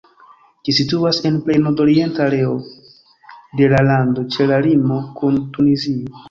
Ĝi situas en plej nordorienta areo de la lando, ĉe la limo kun Tunizio.